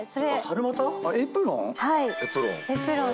エプロン？